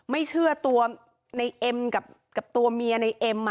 ไม่เชื่อตัวในเอ็มกับตัวเมียในเอ็ม